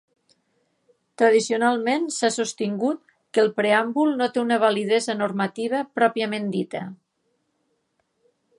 Tradicionalment s'ha sostingut que el preàmbul no té una validesa normativa pròpiament dita.